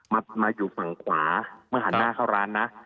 มาอยู่ฝั่งขวาเมื่อหันหน้าเข้าร้านนะ